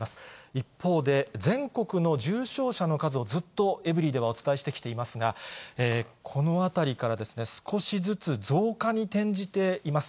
一方で、全国の重症者の数をずっとエブリィではお伝えしてきていますが、このあたりから少しずつ増加に転じています。